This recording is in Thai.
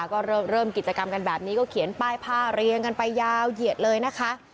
ก็เริ่มกิจกรรมกันแบบนี้ก็เขียนป้ายผ้าเรียงกันไปยาวเหยียดเลยนะคะ